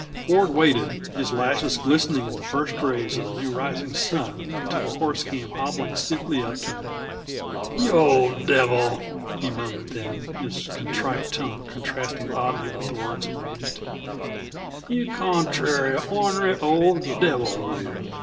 Ford waited, his lashes glistening in the first rays of the new risen sun, until the horse came hobbling stiffly up to him. "You old devil!" he murmured then, his contrite tone contrasting oddly with the words he used. "You contrary, ornery, old devil, you!"